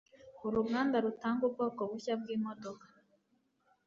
Uruganda rutanga ubwoko bushya bwimodoka